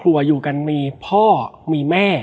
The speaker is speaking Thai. และวันนี้แขกรับเชิญที่จะมาเชิญที่เรา